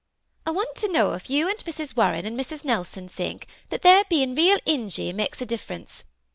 I want to know if you and Mrs. Warren and Mrs. Nelson think that their being real Ingee makes a difference.